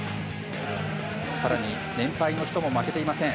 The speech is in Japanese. さらに年配の人も負けていません。